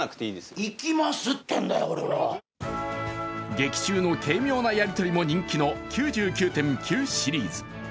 劇中の軽妙なやり取りも人気の「９９．９」シリーズ。